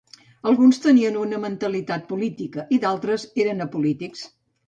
Alguns tenien una mentalitat política i d'altres eren apolítics.